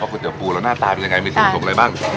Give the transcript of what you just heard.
ข้างี้กับปูมันน่าต่างหรือยังไงมีส่วนวันผสมอะไรบ้าง